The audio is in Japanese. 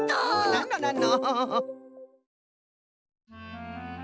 なんのなんの。